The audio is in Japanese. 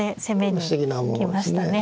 不思議なものですね。